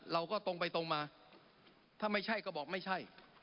เราก็ตรงไปตรงมาถ้าไม่ใช่ก็บอกไม่ใช่